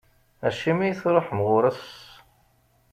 Acimi i truḥem ɣur-s.